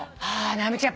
直美ちゃん